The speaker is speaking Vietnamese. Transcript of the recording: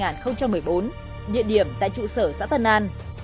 nhận điểm tại trụ sở xã tân an